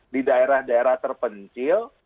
di daerah daerah terpencil